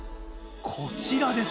こちらです。